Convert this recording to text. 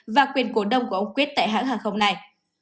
và quyền cổ đông của ông quyết tại hãng hàng không này